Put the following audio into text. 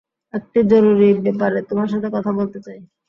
একটা জরুরি ব্যাপারে তোমার সাথে কথা বলতে চাই।